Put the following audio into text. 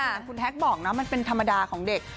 อย่างคุณแฮกบอกนะมันเป็นธรรมดาของเด็ก